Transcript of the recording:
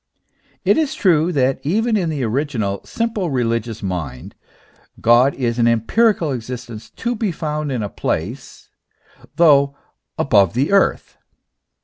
It is true that even in the original, simple religious mind, God is an empirical existence to be found in a place, though above the earth.